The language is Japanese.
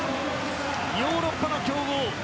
ヨーロッパの強豪